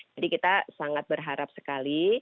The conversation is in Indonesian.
jadi kita sangat berharap sekali